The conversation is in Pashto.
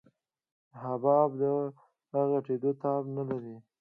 حباب د غټېدو تاب نه لري.